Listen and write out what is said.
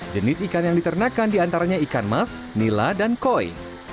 jenis ikan yang diternakan diantaranya ikan mas nila dan koi